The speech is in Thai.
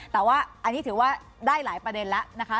แต่ว่าอันนี้ถือว่าได้หลายประเด็นแล้วนะคะ